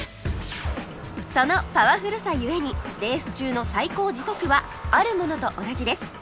そのパワフルさゆえにレース中の最高時速はあるものと同じです